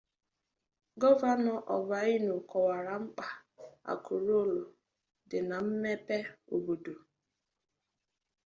Gọvanọ Obianọ kọwàrà mkpà 'Akụ Ruo Ụlọ' dị na mmepe obodo